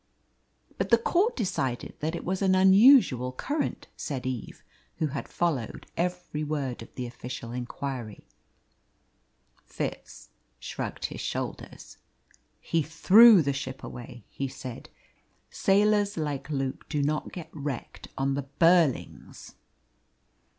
"But the Court decided that it was an unusual current," said Eve, who had followed every word of the official inquiry. Fitz shrugged his shoulders. "He threw the ship away," he said. "Sailors like Luke do not get wrecked on the Burlings."